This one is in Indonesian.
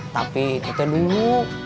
tapi kita dulu